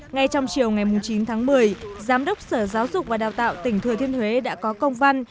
ngay trong chiều ngày chín tháng một mươi giám đốc sở giáo dục và đào tạo tỉnh thừa thiên huế đã có công văn